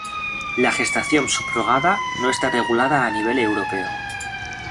La gestación subrogada no está regulada a nivel europeo.